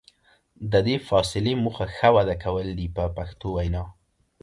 د دې فاصلې موخه ښه وده کول دي په پښتو وینا.